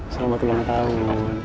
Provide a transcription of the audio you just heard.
selamat ulang tahun